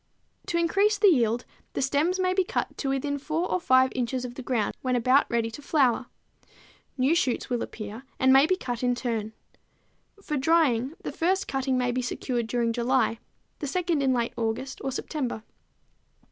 To increase the yield the stems may be cut to within 4 or 5 inches of the ground when about ready to flower. New shoots will appear and may be cut in turn. For drying, the first cutting may be secured during July, the second in late August or September.